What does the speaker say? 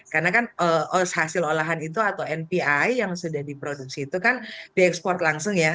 karena kan hasil olahan itu atau npi yang sudah diproduksi itu kan diekspor langsung ya